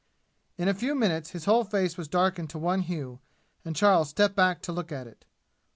In a few minutes his whole face was darkened to one hue, and Charles stepped back to look at it.